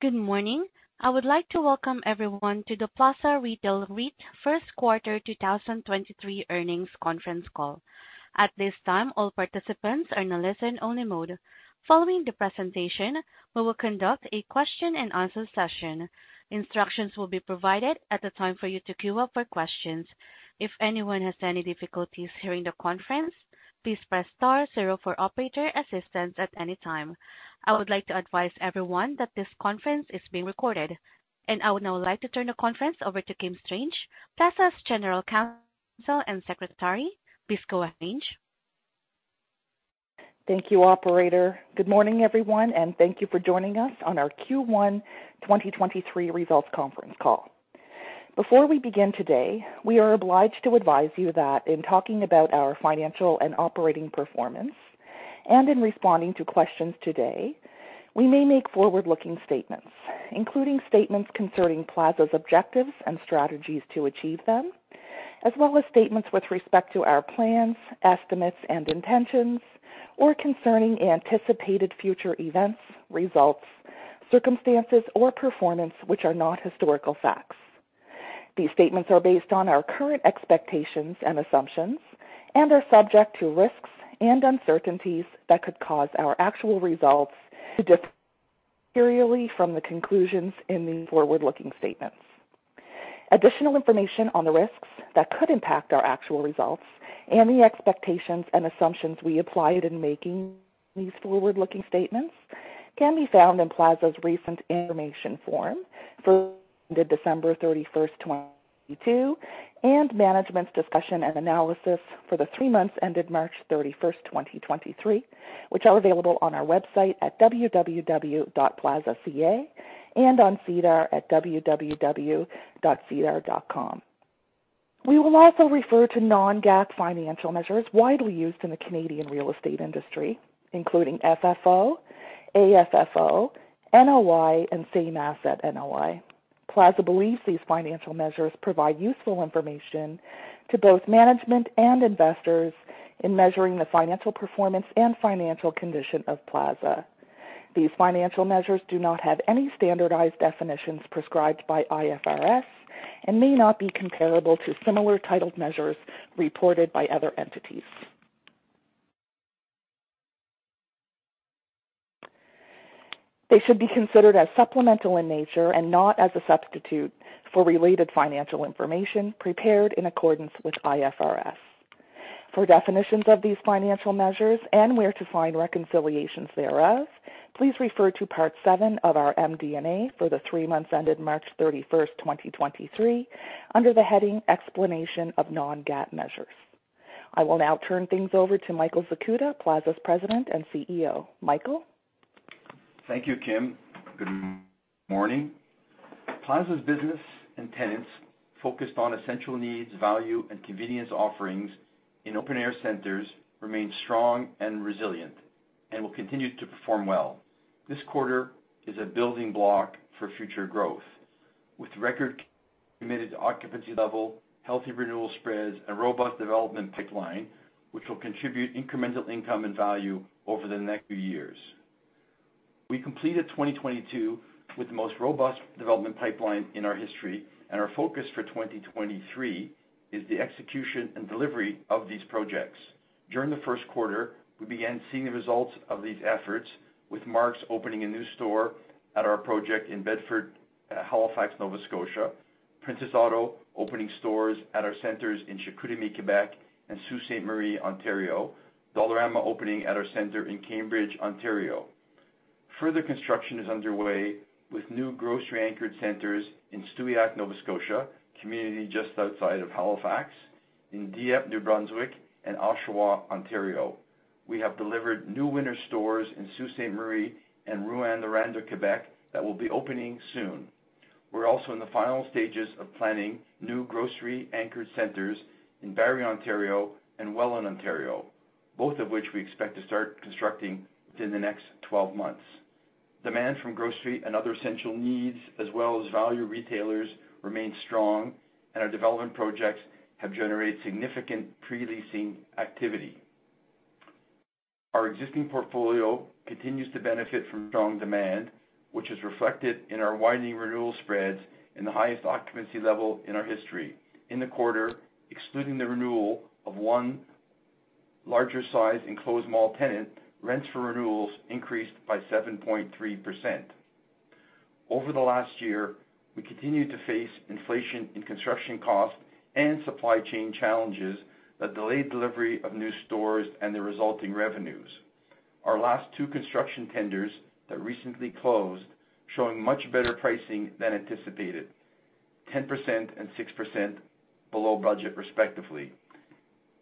Good morning. I would like to welcome everyone to the Plaza Retail REIT first quarter 2023 earnings conference call. At this time, all participants are in a listen-only mode. Following the presentation, we will conduct a question-and-answer session. Instructions will be provided at the time for you to queue up for questions. If anyone has any difficulties hearing the conference, please press star zero for operator assistance at any time. I would like to advise everyone that this conference is being recorded. I would now like to turn the conference over to Kimberly Strange, Plaza's General Counsel and Secretary. Please go, Strange. Thank you, operator. Good morning, everyone, and thank you for joining us on our Q1 2023 results conference call. Before we begin today, we are obliged to advise you that in talking about our financial and operating performance and in responding to questions today, we may make forward-looking statements, including statements concerning Plaza's objectives and strategies to achieve them, as well as statements with respect to our plans, estimates, and intentions, or concerning anticipated future events, results, circumstances, or performance which are not historical facts. These statements are based on our current expectations and assumptions and are subject to risks and uncertainties that could cause our actual results to differ materially from the conclusions in these forward-looking statements. Additional information on the risks that could impact our actual results and the expectations and assumptions we applied in making these forward-looking statements can be found in Plaza's recent information form for December 31st, 2022, and management's discussion and analysis for the three months ended March 31st, 2023, which are available on our website at www.plaza.ca and on SEDAR at www.sedar.com. We will also refer to non-GAAP financial measures widely used in the Canadian real estate industry, including FFO, AFFO, NOI, and Same-Asset NOI. Plaza believes these financial measures provide useful information to both management and investors in measuring the financial performance and financial condition of Plaza. These financial measures do not have any standardized definitions prescribed by IFRS and may not be comparable to similar titled measures reported by other entities. They should be considered as supplemental in nature and not as a substitute for related financial information prepared in accordance with IFRS. For definitions of these financial measures and where to find reconciliations thereof, please refer to part seven of our MD&A for the three months ended March 31st, 2023, under the heading Explanation of non-GAAP Measures. I will now turn things over to Michael Zakuta, Plaza's President and CEO. Michael? Thank you, Kimberly. Good morning. Plaza's business and tenants focused on essential needs, value and convenience offerings in open-air centers remain strong and resilient and will continue to perform well. This quarter is a building block for future growth, with record committed occupancy level, healthy renewal spreads, and robust development pipeline, which will contribute incremental income and value over the next few years. We completed 2022 with the most robust development pipeline in our history. Our focus for 2023 is the execution and delivery of these projects. During the first quarter, we began seeing the results of these efforts with Mark's opening a new store at our project in Bedford, Halifax, Nova Scotia; Princess Auto opening stores at our centers in Chicoutimi, Quebec and Sault Ste. Marie, Ontario; Dollarama opening at our center in Cambridge, Ontario. Construction is underway with new grocery-anchored centers in Stewiacke, Nova Scotia, community just outside of Halifax, in Dieppe, New Brunswick, and Oshawa, Ontario. We have delivered new Winners stores in Sault Ste. Marie and Rouyn-Noranda, Quebec, that will be opening soon. We're also in the final stages of planning new grocery-anchored centers in Barrie, Ontario and Welland, Ontario, both of which we expect to start constructing within the next 12 months. Demand from grocery and other essential needs as well as value retailers remains strong. Our development projects have generated significant pre-leasing activity. Our existing portfolio continues to benefit from strong demand, which is reflected in our widening renewal spreads in the highest occupancy level in our history. In the quarter, excluding the renewal of one larger size enclosed mall tenant, rents for renewals increased by 7.3%. Over the last year, we continued to face inflation in construction costs and supply chain challenges that delayed delivery of new stores and the resulting revenues. Our last two construction tenders that recently closed showing much better pricing than anticipated, 10% and 6% below budget respectively,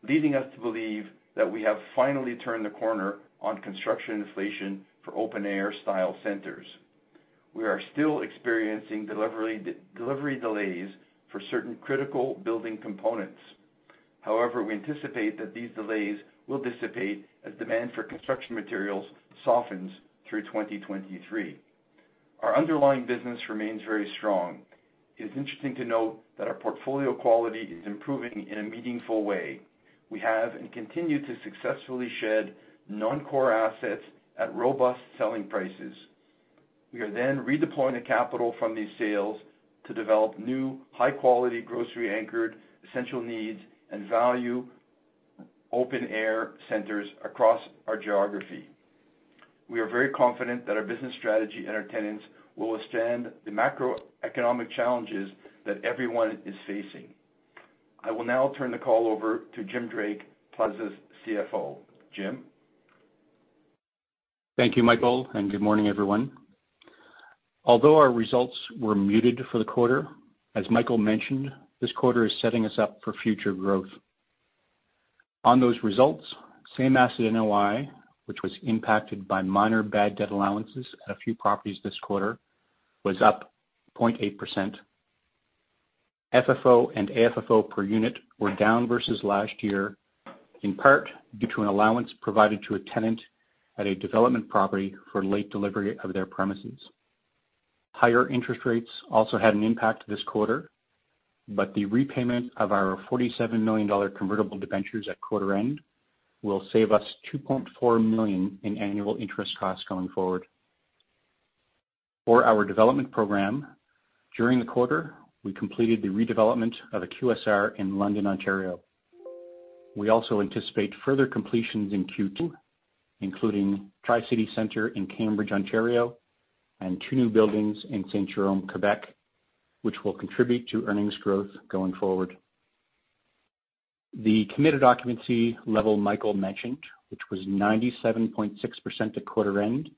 leading us to believe that we have finally turned the corner on construction inflation for open-air style centers. We are still experiencing delivery delays for certain critical building components. We anticipate that these delays will dissipate as demand for construction materials softens through 2023. Our underlying business remains very strong. It's interesting to note that our portfolio quality is improving in a meaningful way. We have, and continue to successfully shed non-core assets at robust selling prices. We are redeploying the capital from these sales to develop new high quality, grocery anchored, essential needs, and value open air centers across our geography. We are very confident that our business strategy and our tenants will withstand the macroeconomic challenges that everyone is facing. I will now turn the call over to Jim Drake, Plaza's CFO. Jim? Thank you, Michael. Good morning, everyone. Although our results were muted for the quarter, as Michael mentioned, this quarter is setting us up for future growth. On those results, Same-Asset NOI, which was impacted by minor bad debt allowances at a few properties this quarter, was up 0.8%. FFO and AFFO per unit were down versus last year, in part due to an allowance provided to a tenant at a development property for late delivery of their premises. Higher interest rates also had an impact this quarter. The repayment of our 47 million dollar convertible debentures at quarter end will save us CAD 2.4 million in annual interest costs going forward. For our development program, during the quarter, we completed the redevelopment of a QSR in London, Ontario. We also anticipate further completions in Q2, including Tri-City Centre in Cambridge, Ontario, and two new buildings in Saint-Jérôme, Quebec, which will contribute to earnings growth going forward. The committed occupancy level Michael mentioned, which was 97.6% at quarter end,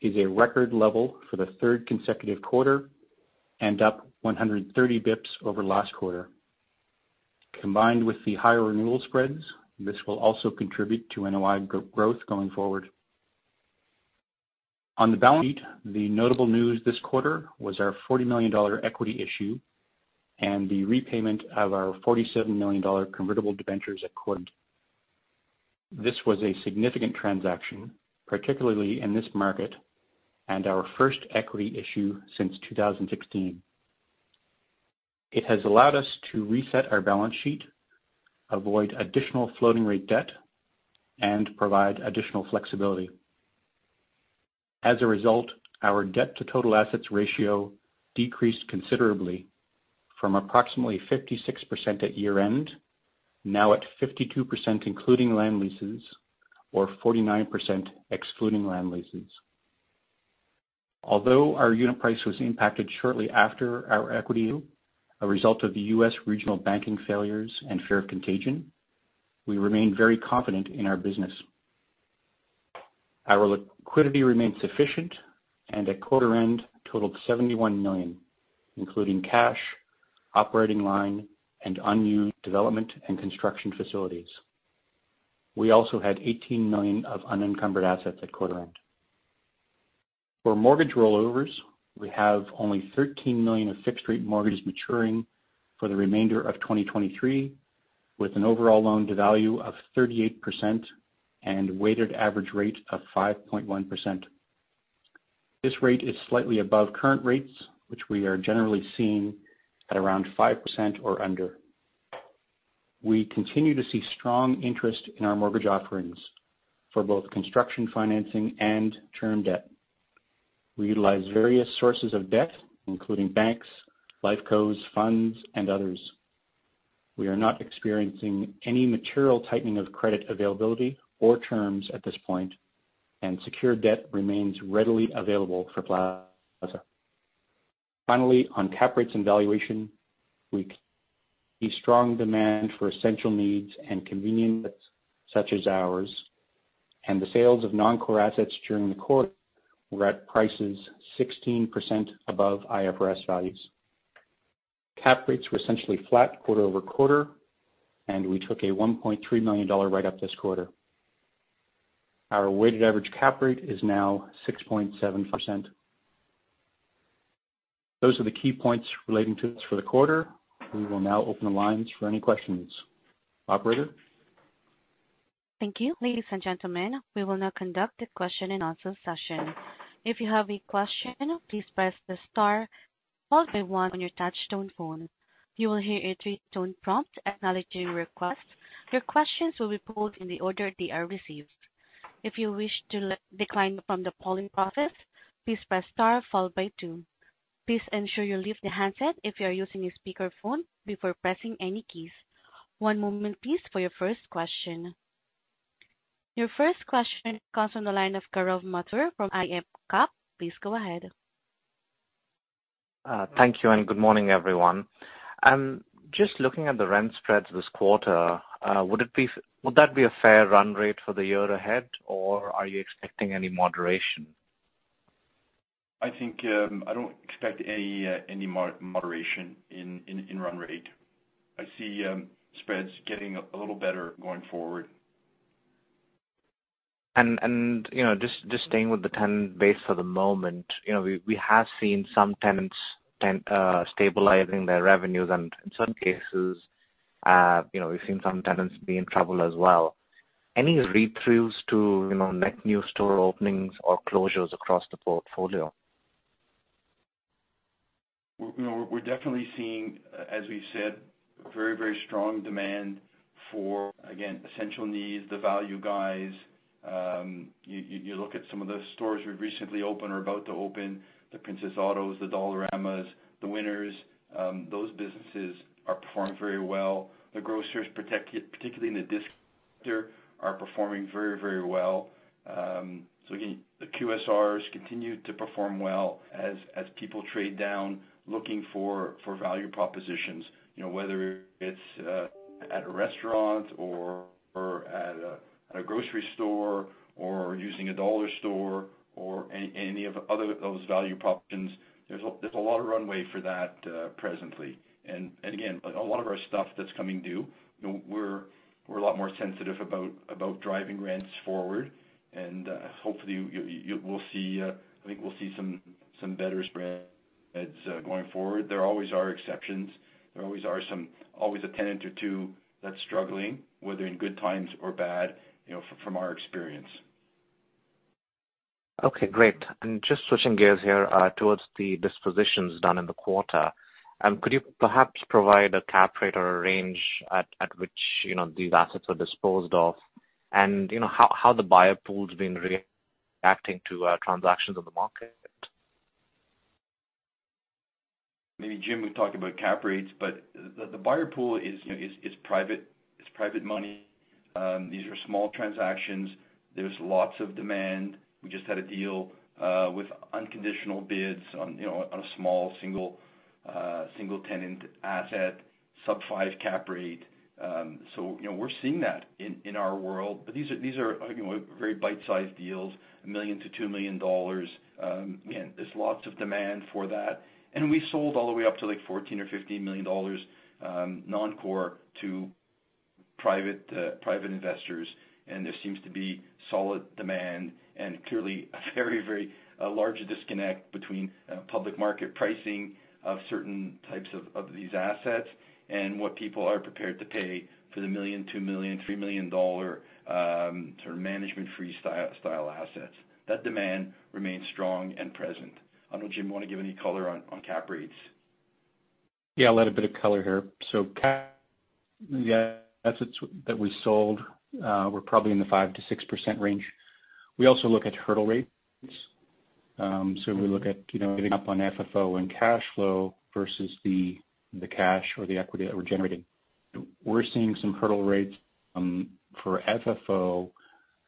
is a record level for the third consecutive quarter and up 130 BPS over last quarter. Combined with the higher renewal spreads, this will also contribute to NOI growth going forward. On the balance sheet, the notable news this quarter was our 40 million dollar equity issue and the repayment of our 47 million dollar convertible debentures at quarter. This was a significant transaction, particularly in this market, our first equity issue since 2016. It has allowed us to reset our balance sheet, avoid additional floating rate debt, and provide additional flexibility. Our debt to total assets ratio decreased considerably from approximately 56% at year-end, now at 52%, including land leases, or 49% excluding land leases. Our unit price was impacted shortly after our equity, a result of the U.S. regional banking failures and fear of contagion, we remain very confident in our business. Our liquidity remains sufficient and at quarter end totaled 71 million, including cash, operating line, and unused development and construction facilities. We also had 18 million of unencumbered assets at quarter end. For mortgage rollovers, we have only 13 million of fixed-rate mortgages maturing for the remainder of 2023, with an overall loan to value of 38% and weighted average rate of 5.1%. This rate is slightly above current rates, which we are generally seeing at around 5% or under. We continue to see strong interest in our mortgage offerings for both construction financing and term debt. We utilize various sources of debt, including banks, Life Cos., funds, and others. We are not experiencing any material tightening of credit availability or terms at this point. Secured debt remains readily available for Plaza. Finally, on cap rates and valuation, we see strong demand for essential needs and convenience such as ours. The sales of non-core assets during the quarter were at prices 16% above IFRS values. Cap rates were essentially flat quarter-over-quarter. We took a 1.3 million dollar write-up this quarter. Our weighted average cap rate is now 6.7%. Those are the key points relating to us for the quarter. We will now open the lines for any questions. Operator? Thank you. Ladies and gentlemen, we will now conduct the question and answer session. If you have a question, please press the star followed by one on your touch-tone phone. You will hear a three-tone prompt acknowledging your request. Your questions will be posed in the order they are received. If you wish to decline from the polling process, please press star followed by two. Please ensure you leave the handset if you are using a speakerphone before pressing any keys. One moment please for your first question. Your first question comes from the line of Gaurav Mathur from iA Capital Markets. Please go ahead. Thank you. Good morning, everyone. Just looking at the rent spreads this quarter, would that be a fair run rate for the year ahead, or are you expecting any moderation? I think, I don't expect any moderation in run rate. I see, spreads getting a little better going forward. You know, just staying with the tenant base for the moment. You know, we have seen some tenants stabilizing their revenues. In some cases, you know, we've seen some tenants be in trouble as well. Any read throughs to, you know, net new store openings or closures across the portfolio? We're definitely seeing, as we said, very, very strong demand for, again, essential needs, the value guys. You look at some of the stores we've recently opened or about to open, the Princess Autos, the Dollaramas, the Winners, those businesses are performing very well. The grocers, particularly in the disc sector, are performing very, very well. Again, the QSRs continue to perform well as people trade down looking for value propositions. You know, whether it's at a restaurant or at a grocery store or using a dollar store or any of other those value propositions, there's a, there's a lot of runway for that presently. Again, a lot of our stuff that's coming due, you know, we're a lot more sensitive about driving rents forward and hopefully you'll... We'll see, I think we'll see some better spreads going forward. There always are exceptions. There always are some, always a tenant or two that's struggling, whether in good times or bad, you know, from our experience. Okay, great. Just switching gears here, towards the dispositions done in the quarter. Could you perhaps provide a cap rate or a range at which, you know, these assets were disposed of? You know, how the buyer pool's been reacting to transactions on the market? Maybe Jim will talk about cap rates, the buyer pool is private. It's private money. These are small transactions. There's lots of demand. We just had a deal with unconditional bids on, you know, on a small single tenant asset, sub five cap rate. You know, we're seeing that in our world. These are, you know, very bite-sized deals, 1 million-2 million dollars. Again, there's lots of demand for that. We sold all the way up to, like, 14 million-15 million dollars, non-core to private investors. There seems to be solid demand and clearly a very, a larger disconnect between public market pricing of certain types of these assets and what people are prepared to pay for the 1 million, 2 million, 3 million dollar sort of management-free assets. That demand remains strong and present. I don't know, Jim, you wanna give any color on cap rates? I'll add a bit of color here. Cap assets that we sold were probably in the 5%-6% range. We also look at hurdle rates. We look at, you know, getting up on FFO and cash flow versus the cash or the equity that we're generating. We're seeing some hurdle rates for FFO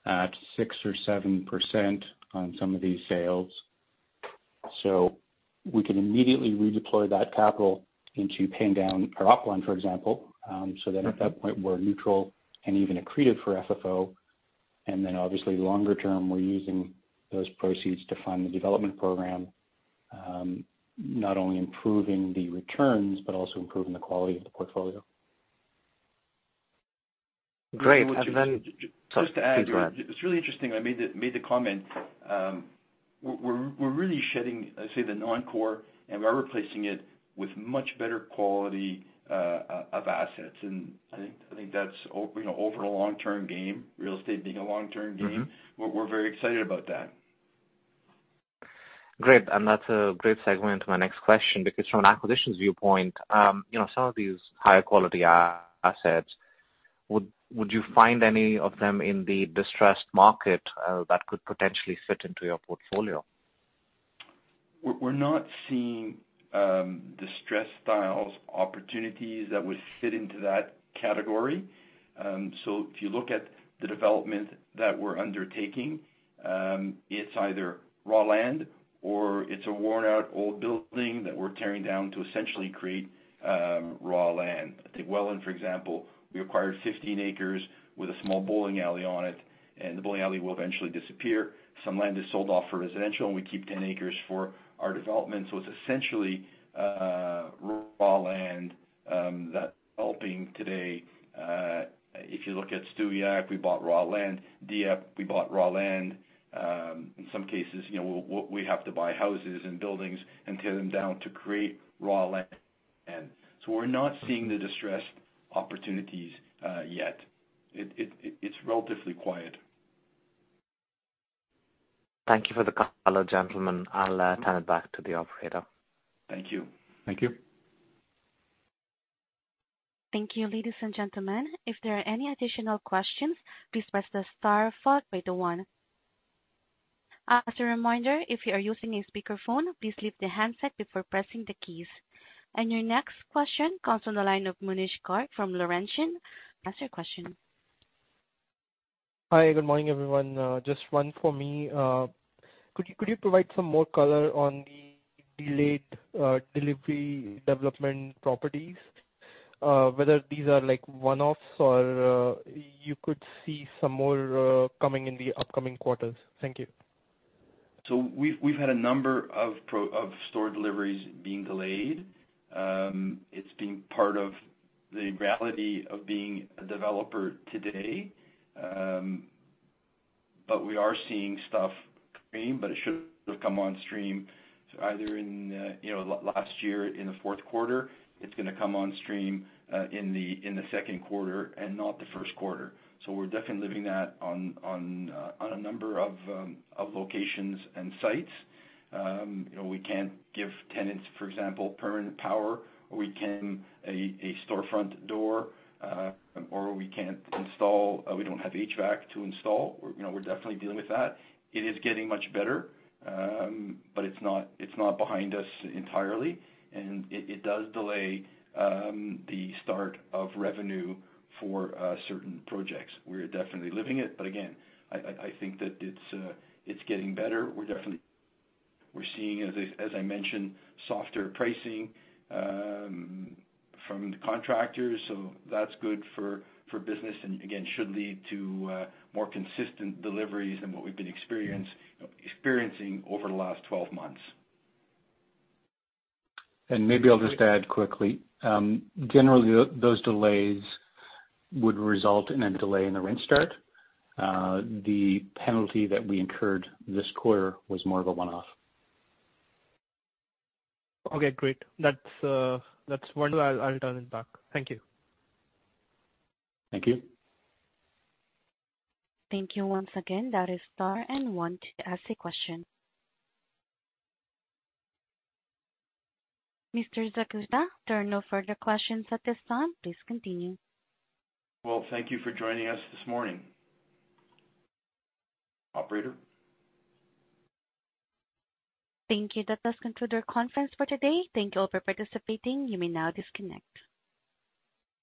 at 6% or 7% on some of these sales. We can immediately redeploy that capital into paying down our upline, for example, so that at that point we're neutral and even accreted for FFO. Obviously longer term, we're using those proceeds to fund the development program, not only improving the returns but also improving the quality of the portfolio. Great. Just to add. Sorry. Please go ahead. It's really interesting. I made the comment, we're really shedding, say, the non-core, and we're replacing it with much better quality, of assets. I think that's over, you know, over a long-term game, real estate being a long-term game. Mm-hmm. We're very excited about that. Great. That's a great segue into my next question, because from an acquisitions viewpoint, you know, some of these higher quality assets, would you find any of them in the distressed market, that could potentially fit into your portfolio? We're not seeing distressed styles opportunities that would fit into that category. If you look at the development that we're undertaking, it's either raw land or it's a worn-out old building that we're tearing down to essentially create raw land. Take Welland, for example. We acquired 15 acres with a small bowling alley on it. The bowling alley will eventually disappear. Some land is sold off for residential, and we keep 10 acres for our development. It's essentially raw land that helping today. If you look at Stewiacke, we bought raw land. Dieppe, we bought raw land. In some cases, you know, we'll have to buy houses and buildings and tear them down to create raw land. We're not seeing the distressed opportunities yet. It's relatively quiet. Thank you for the color, gentlemen. I'll turn it back to the operator. Thank you. Thank you. Thank you, ladies and gentlemen. If there are any additional questions, please press the star followed by the one. As a reminder, if you are using a speakerphone, please lift the handset before pressing the keys. Your next question comes from the line of Munish Kaur from Laurentian. Ask your question. Hi, good morning, everyone. Just one for me. Could you provide some more color on the delayed delivery development properties? Whether these are like one-offs or you could see some more coming in the upcoming quarters. Thank you. We've had a number of store deliveries being delayed. It's been part of the reality of being a developer today. We are seeing stuff coming, but it should have come on stream either in, you know, last year in the fourth quarter. It's gonna come on stream in the second quarter and not the first quarter. We're definitely living that on a number of locations and sites. You know, we can't give tenants, for example, permanent power. We can a storefront door, or we can't install, we don't have HVAC to install. You know, we're definitely dealing with that. It is getting much better, but it's not behind us entirely. It does delay the start of revenue for certain projects. We're definitely living it, again, I think that it's getting better. We're definitely seeing, as I mentioned, softer pricing from the contractors, that's good for business again, should lead to more consistent deliveries than what we've been experiencing over the last 12 months. Maybe I'll just add quickly. Generally, those delays would result in a delay in the rent start. The penalty that we incurred this quarter was more of a one-off. Okay, great. That's wonderful. I'll turn it back. Thank you. Thank you. Thank you once again. That is star and one to ask a question. Mr. Zakuta, there are no further questions at this time. Please continue. Well, thank you for joining us this morning. Operator? Thank you. That does conclude our conference for today. Thank you all for participating. You may now disconnect.